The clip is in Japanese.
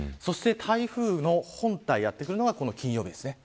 そして、台風の本体がやってくるのは金曜日です。